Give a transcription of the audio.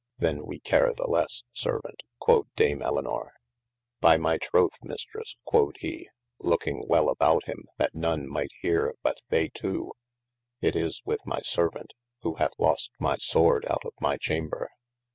. The we care the lesse servaunt, quod Dame Elynor. By my troth Mistresse, quod he (looking wel about him that none might heare but they two) it is with my servaunt, who hath lost my sword out of my chamber.